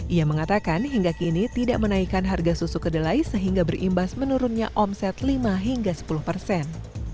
ia mengatakan hingga kini tidak menaikkan harga susu kedelai sehingga berimbas menurunnya omset lima hingga sepuluh persen